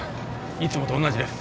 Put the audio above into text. いつもと同じです